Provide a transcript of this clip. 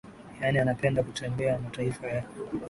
yaani anapenda kutembea mataifa ya